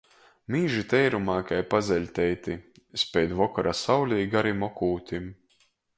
Mīži teirumā kai pazeļteiti speid vokora saulē garim okūtim.